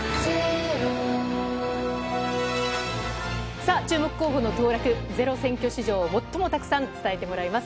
さあ、注目候補の当落、ｚｅｒｏ選挙史上最もたくさん伝えてもらいます。